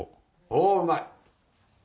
おうまい！